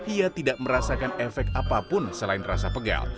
ia tidak merasakan efek apapun selain rasa pegal